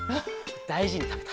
だいじにたべた。